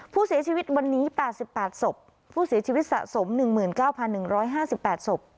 ผู้เสียชีวิตวันนี้แปดสิบแปดศพผู้เสียชีวิตสะสมหนึ่งหมื่นเก้าพันหนึ่งร้อยห้าสิบแปดศพ